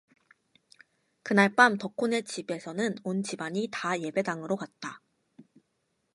그날 밤 덕호네 집에서는 온 집안이 다 예배당으로 갔다.